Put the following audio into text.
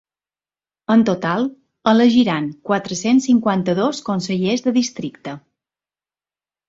En total, elegiran quatre-cents cinquanta-dos consellers de districte.